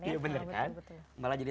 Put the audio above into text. iya bener kan malah jadi